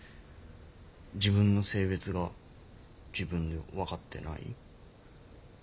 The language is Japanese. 自分の性別が自分で分かってない。